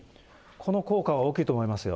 この効果は大きいと思いますよ。